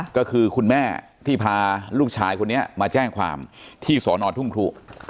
ก็คือคุณแม่ที่พาลูกชายคนนี้มาแจ้งความที่สอนอทุ่งครุ